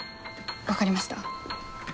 分かりました。